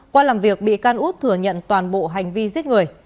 qua làm việc bị can út thừa nhận toàn bộ hành vi giết người